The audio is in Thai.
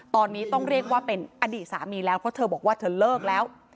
ตอนนี้ต้องเรียกว่าเป็นอดีตสามีแล้วเพราะเธอบอกว่าเธอเลิกแล้ว